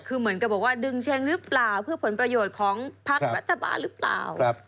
คือเหมือนกับบอกว่าดึงเช็งหรือเปล่าเพื่อผลประโยชน์ของพักรัฐบาลหรือเปล่า